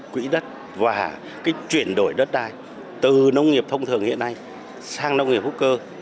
quỹ đất và cái chuyển đổi đất đai từ nông nghiệp thông thường hiện nay sang nông nghiệp hữu cơ